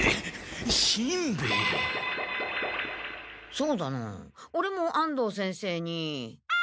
そうだなオレも安藤先生に。